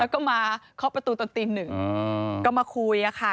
แล้วก็มาเคาะประตูตอนตีหนึ่งก็มาคุยค่ะ